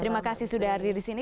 terima kasih sudah hadir di sini